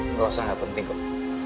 nggak usah penting kok